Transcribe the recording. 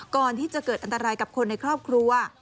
ก่อนที่จะเกิดอันตรายกับคนในครอบครัว